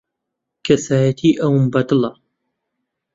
کەسایەتیی ئەوم بەدڵە.